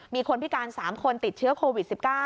มีคนพิการ๓คนติดเชื้อโควิด๑๙